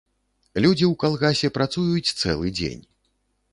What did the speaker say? Людзі ў калгасе працуюць цэлы дзень.